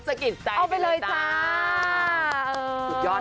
สกินใจไปเลยจ๊ะเอาไปเลยจ๊ะเออ